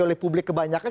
oleh publik kebanyakan